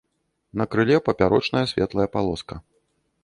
На крыле папярочная светлая палоска.